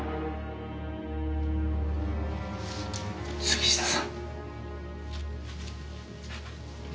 杉下さん。